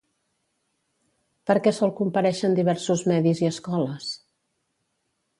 Per què sol comparèixer en diversos medis i escoles?